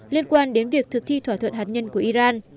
liên quan đến việc thực thi thỏa thuận hạt nhân của iran